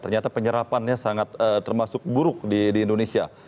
ternyata penyerapannya sangat termasuk buruk di indonesia